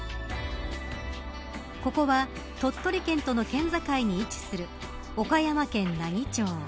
ここは鳥取県との県境に位置する岡山県奈義町。